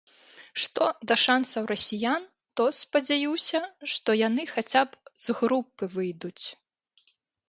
Што да шансаў расіян, то, спадзяюся, што яны хаця б з групы выйдуць.